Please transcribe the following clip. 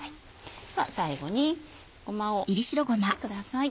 最後にごまを振ってください。